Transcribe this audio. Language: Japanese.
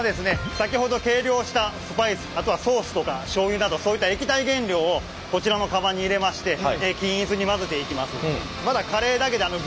先ほど計量したスパイスあとはソースとかしょうゆなどそういった液体原料をこちらの釜に入れまして均一に混ぜていきます。